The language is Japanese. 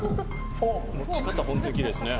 持ち方本当にきれいですね。